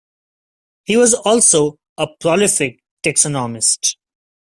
He also was a prolific taxonomist.